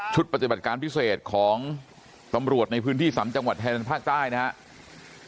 ปฏิบัติการพิเศษของตำรวจในพื้นที่๓จังหวัดแทนภาคใต้นะครับ